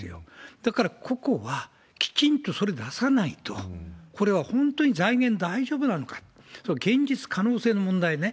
だからここはきちんとそれ出さないと、これは本当に財源大丈夫なのか、そういう現実可能性の問題ね。